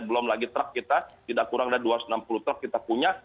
belum lagi truk kita tidak kurang dari dua ratus enam puluh truk kita punya